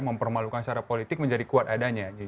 mempermalukan secara politik menjadi kuat adanya